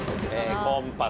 コンパス。